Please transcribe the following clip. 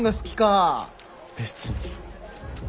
別に。